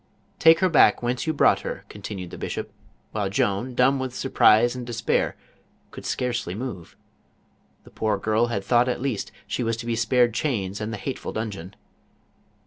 " Take her back whence you brought her," continued the bishop, while Joan, dumb with surprise and despair, eoukl scarcely move. The poor girl had thought at least she was to be spared chains and the hateful dungeon.